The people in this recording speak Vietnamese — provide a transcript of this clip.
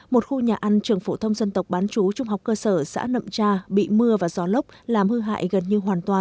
một khu nhà ăn trường phổ thông dân tộc bán chú trung học cơ sở xã nậm tra bị mưa và gió lốc làm hư hại gần như hoàn toàn